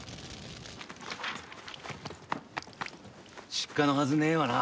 失火のはずねえわな。